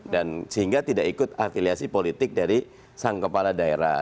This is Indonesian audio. dan sehingga tidak ikut afiliasi politik dari sang kepala daerah